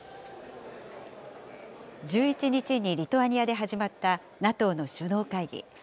１１日にリトアニアで始まった、ＮＡＴＯの首脳会議。